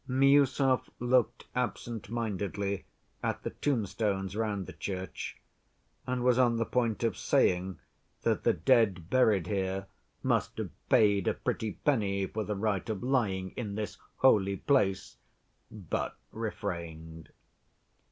Miüsov looked absent‐mindedly at the tombstones round the church, and was on the point of saying that the dead buried here must have paid a pretty penny for the right of lying in this "holy place," but refrained.